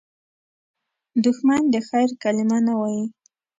دښمن د خیر کلمه نه وايي